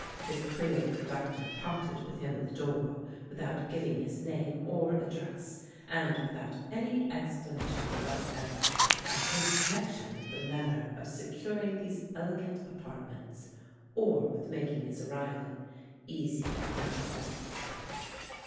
His creole conductor parted with him at the door without giving his name or address and without any explanation whatever of his connection with the matter of securing these elegant apartments or with making his arrival easy and pleasant.